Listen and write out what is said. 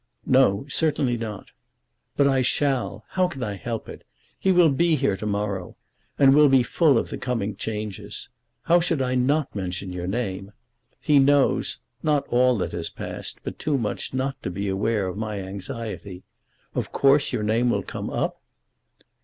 "No; certainly not." "But I shall. How can I help it? He will be here to morrow, and will be full of the coming changes. How should I not mention your name? He knows not all that has passed, but too much not to be aware of my anxiety. Of course your name will come up?"